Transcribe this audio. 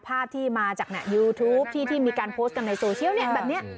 ภาพที่มาจากยูทูปที่มีการโพสต์กันในโซเชียลแบบนี้